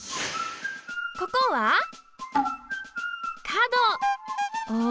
ここはお？